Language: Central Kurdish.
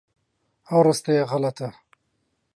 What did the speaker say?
هەشت ئێسترمان لە فیشەک بار کرد